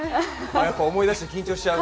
やっぱり思い出して緊張しちゃう？